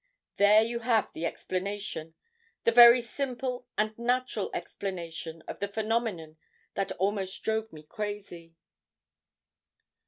"There you have the explanation, the very simple and natural explanation of the phenomenon that almost drove me crazy.